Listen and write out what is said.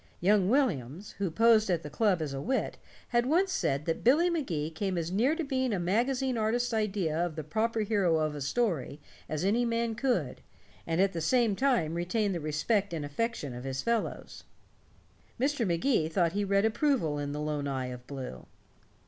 Young Williams, who posed at the club as a wit, had once said that Billy Magee came as near to being a magazine artist's idea of the proper hero of a story as any man could, and at the same time retain the respect and affection of his fellows. Mr. Magee thought he read approval in the lone eye of blue.